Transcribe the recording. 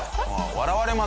笑われますよ